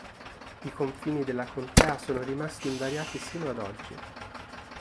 I confini della contea sono rimasti invariati sino ad oggi.